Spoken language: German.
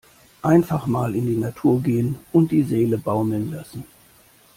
Einfach mal in die Natur gehen und die Seele baumeln lassen!